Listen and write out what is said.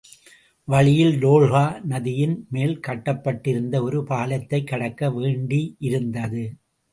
வழியில் டோல்கா நதியின் மேல் கட்டப்பட்டிருந்த ஒரு பாலத்தைக் கடக்க வேண்டியிருந்தது.